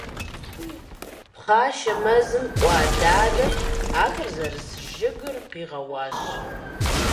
Пхъашэ мэзым кӀуа дадэм ахэр зэрыс жыгыр къигъэуащ.